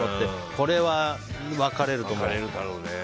これは分かれると思う。